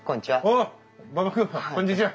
おお馬場君こんにちは。